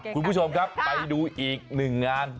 คุณผู้ชมครับไปดูอีกหนึ่งงาน